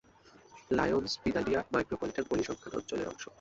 Lions Vidalia micropolitan পরিসংখ্যান অঞ্চলের অংশ।